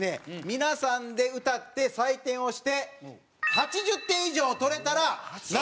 皆さんで歌って採点をして８０点以上取れたらなんと１０万円。